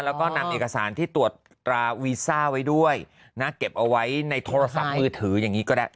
แล้วก็นำเอกสารที่ตรวจตราวีซ่าไว้ด้วยนะเก็บเอาไว้ในโทรศัพท์มือถืออย่างนี้ก็ได้